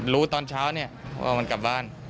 รู้ตอนเช้าว่ามันกลับบ้าน